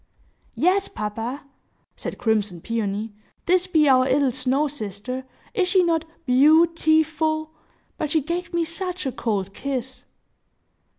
"Yes, papa," said crimson Peony. "This be our 'ittle snow sister. Is she not beau ti ful? But she gave me such a cold kiss!"